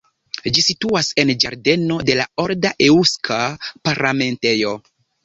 Ĝi situas en ĝardeno de olda eŭska parlamentejo.